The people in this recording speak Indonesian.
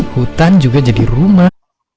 hutan juga jadi rumah